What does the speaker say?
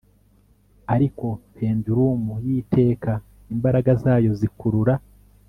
Ariko pendulum yiteka imbaraga zayo zikurura